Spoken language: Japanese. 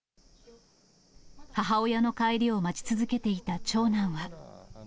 母親の帰りを待ち続けていた長男は。